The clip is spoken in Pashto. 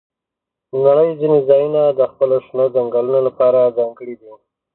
د نړۍ ځینې ځایونه د خپلو شنو ځنګلونو لپاره ځانګړي دي.